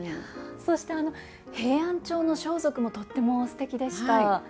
そしてあの平安調の装束もとってもすてきでした。